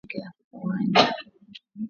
Kamasi nyingi kutokea puani